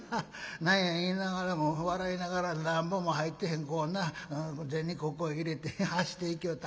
何や言いながらも笑いながらなんぼも入ってへんこうな銭ここ入れて走っていきよった。